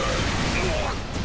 うわっ！